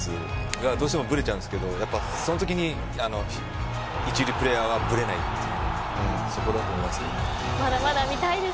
どうしてもブレちゃうんですけどそのときに一流プレーヤーはぶれないというそこだと思います。